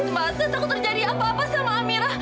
mas aku takut terjadi apa apa sama amira